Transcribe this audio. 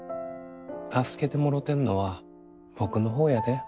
助けてもろてんのは僕の方やで。